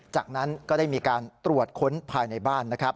จากนั้นก็ได้มีการตรวจค้นภายในบ้านนะครับ